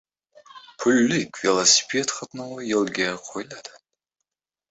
Pullik velosiped qatnovi yo‘lga qo‘yiladi